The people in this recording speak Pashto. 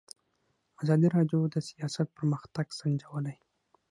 ازادي راډیو د سیاست پرمختګ سنجولی.